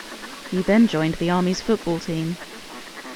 He then joined the Army's football team.